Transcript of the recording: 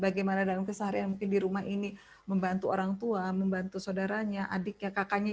bagaimana dalam keseharian mungkin di rumah ini membantu orang tua membantu saudaranya adiknya kakaknya